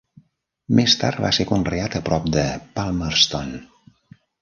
Més tard va ser conreat a prop de Palmerston.